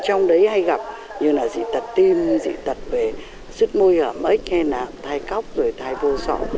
trong đấy hay gặp như là dị tật tim dị tật về sức môi hở ếch hay là thai cóc rồi thai vô